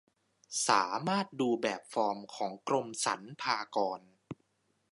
สามารถดูแบบฟอร์มของกรมสรรพากร